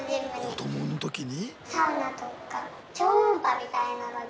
子どもの時に？